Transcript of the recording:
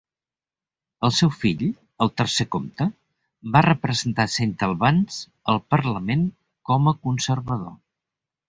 El seu fill, el tercer comte, va representar Saint Albans al Parlament com a conservador.